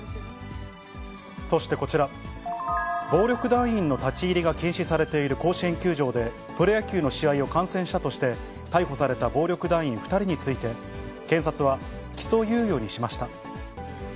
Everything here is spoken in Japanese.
そしてこちら、暴力団員の立ち入りが禁止されている甲子園球場で、プロ野球の試合を観戦したとして逮捕された暴力団員２人について、検察は起訴猶予にしました。